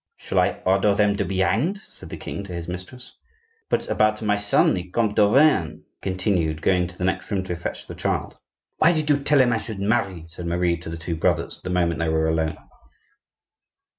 "Shall I order them to be hanged?" said the king to his mistress. "But about my son, the Comte d'Auvergne?" he continued, going into the next room to fetch the child. "Why did you tell him I should marry?" said Marie to the two brothers, the moment they were alone.